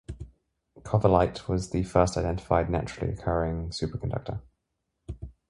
Covellite was the first identified naturally occurring superconductor.